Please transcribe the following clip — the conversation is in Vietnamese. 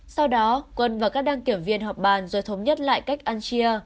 sau đó quân và các đăng kiểm viên họp bàn rồi thống nhất lại cách ăn chia